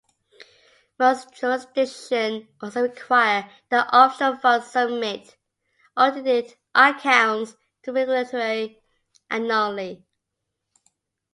Most jurisdictions also require that offshore funds submit audited accounts to the regulatory annually.